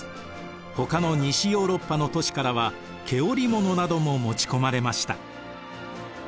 ほかの西ヨーロッパの都市からは毛織物なども持ち込まれました。